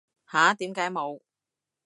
吓？點解冇